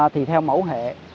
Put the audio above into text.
thì theo mẫu hệ